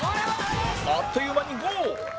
あっという間にゴール